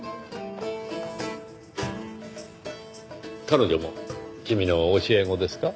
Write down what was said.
彼女も君の教え子ですか？